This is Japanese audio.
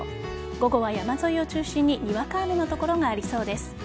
午後は山沿いを中心ににわか雨の所がありそうです。